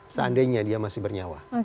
seandainya dia masih bernyawa